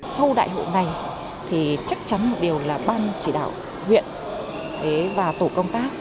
sau đại hội này thì chắc chắn một điều là ban chỉ đạo huyện và tổ công tác